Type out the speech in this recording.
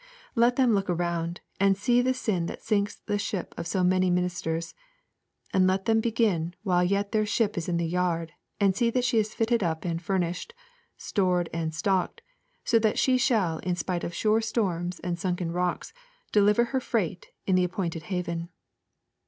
Let them look around and see the sin that sinks the ship of so many ministers; and let them begin while yet their ship is in the yard and see that she is fitted up and furnished, stored and stocked, so that she shall in spite of sure storms and sunken rocks deliver her freight in the appointed haven.